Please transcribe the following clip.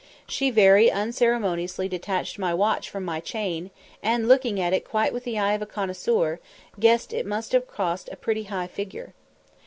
She very unceremoniously detached my watch from my chain, and, looking at it quite with the eye of a connoisseur, "guessed it must have cost a pretty high figure"!